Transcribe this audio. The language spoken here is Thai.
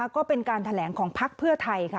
ก็เป็นการแถลงของพักเพื่อไทยค่ะ